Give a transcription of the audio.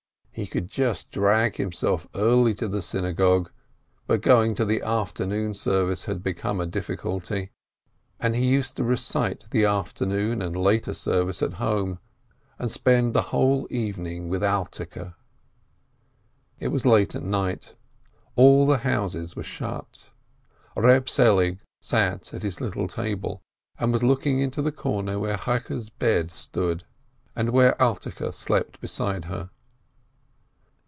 He could just drag himself early to the synagogue, but going to the afternoon service had become a difficulty, and he used to recite the afternoon and later service at home, and spend the whole evening with Alterke. It was late at night. All the houses were shut. Eeb Selig sat at his little table, and was looking into the corner where Cheike's bed stood, and where Alterke slept beside her.